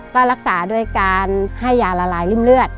ก็รักษาด้วยการให้ยาละลายริ่มเลือด